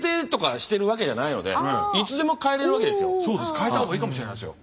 変えた方がいいかもしれないですよ。